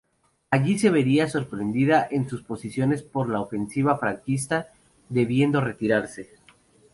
Allí se vería sorprendida en sus posiciones por la ofensiva franquista, debiendo retirarse.